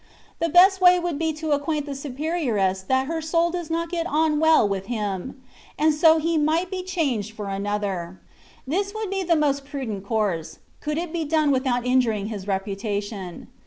The best way would be to acquaint the superioress that her soul does not^ get on well with him^ and so he might be changed THE WAY OF PERFECTION. 23 for another. This would be the most prudent course, could it be done without injuring his repu tation.